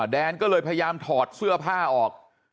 แดนก็เลยพยายามถอดเสื้อผ้าออก